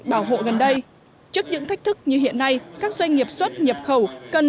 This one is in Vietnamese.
trong thời gian gần đây trước những thách thức như hiện nay các doanh nghiệp xuất nhập khẩu cần